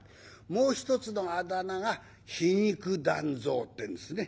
もう一つのあだ名が皮肉団蔵ってんですね。